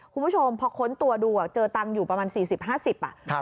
คุณผู้ชมพอค้นตัวดูเจอตังค์อยู่ประมาณ๔๐๕๐บาท